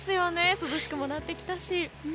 涼しくもなってきたし。